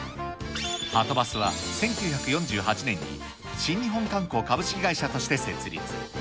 はとバスは１９４８年に新日本観光株式会社として設立。